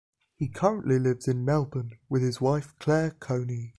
He currently lives in Melbourne with his wife, Clare Coney.